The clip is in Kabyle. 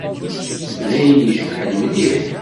D ayen icebḥen mliḥ.